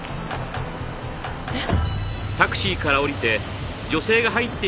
えっ？